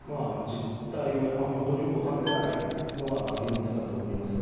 実態は本当によく分かってないのが現実だと思いますね。